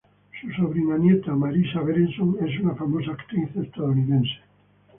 Su sobrina bisnieta, Marisa Berenson, es una famosa actriz estadounidense.